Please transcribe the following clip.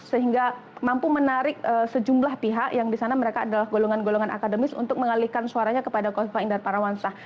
sehingga mampu menarik sejumlah pihak yang di sana mereka adalah golongan golongan akademis untuk mengalihkan suaranya kepada kofifa indar parawansa